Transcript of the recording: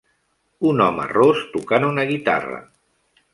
Un home ros tocant una guitarra.